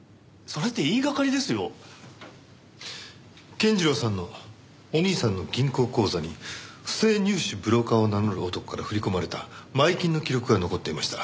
健次郎さんのお兄さんの銀行口座に不正入試ブローカーを名乗る男から振り込まれた前金の記録が残っていました。